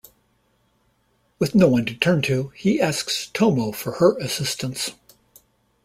With no one to turn to, he asks Tomoe for her assistance.